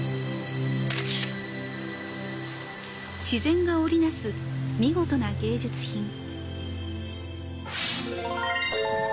自然が織りなす見事な芸術品。